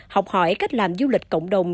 học hỏi cách làm du lịch cộng đồng